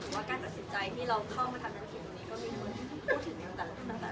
คือสำหรับตัวเต้าเองมันเป็นความหมายที่กล้ามถึงกัน